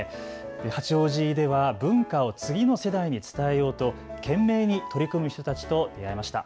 八王子では文化を次の世代に伝えようと懸命に取り組む人たちと出会いました。